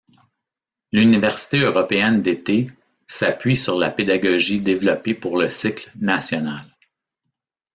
L’université européenne d’été s’appuie sur la pédagogie développée pour le cycle national.